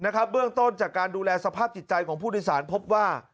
เบื้องต้นจากการดูแลสภาพจิตใจของผู้โดยสารพบว่า